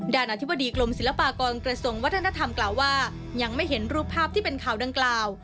อธิบดีกรมศิลปากรกระทรวงวัฒนธรรมกล่าวว่ายังไม่เห็นรูปภาพที่เป็นข่าวดังกล่าว